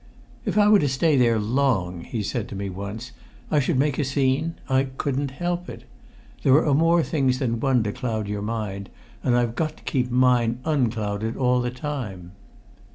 "If I were to stay there long," he said to me once, "I should make a scene. I couldn't help it. There are more things than one to cloud your mind, and I've got to keep mine unclouded all the time."